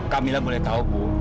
kamilah boleh tahu bu